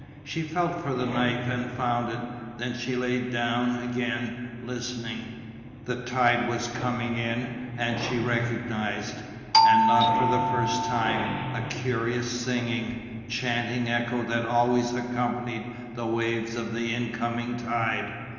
She felt for the knife and found it. Then she lay down again, listening. The tide was coming in and she recognised, and not for the first time, a curious singing, chanting echo that always accompanied the waves of the incoming tide.